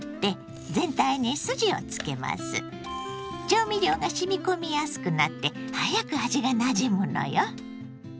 調味料がしみ込みやすくなって早く味がなじむのよ。